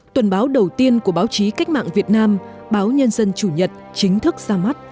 tuần báo đầu tiên của báo chí cách mạng việt nam báo nhân dân chủ nhật chính thức ra mắt